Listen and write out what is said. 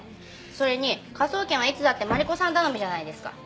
それに科捜研はいつだってマリコさん頼みじゃないですか。